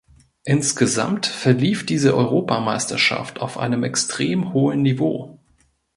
Insgesamt verlief diese Europameisterschaft auf einem extrem hohen Niveau.